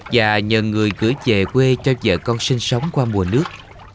và nhờ người gửi về quê cho vợ con sinh sống qua mùa nước